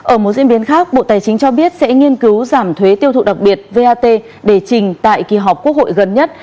ở một diễn biến khác bộ tài chính cho biết sẽ nghiên cứu giảm thuế tiêu thụ đặc biệt vat để trình tại kỳ họp quốc hội gần nhất